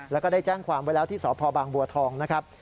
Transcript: แล้วก็ได้แจ้งความไว้แล้วที่สพบฑนะครับ